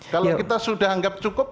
kalau kita sudah anggap cukup